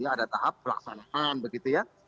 ada tahap pelaksanaan begitu ya